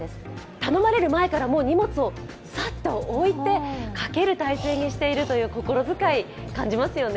頼まれる前から、もう荷物をサッと置いて書ける体勢にしているという心遣い、感じますよね。